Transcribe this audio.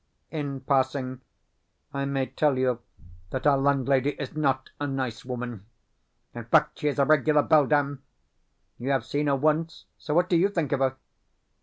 In passing, I may tell you that our landlady is NOT a nice woman. In fact, she is a regular beldame. You have seen her once, so what do you think of her?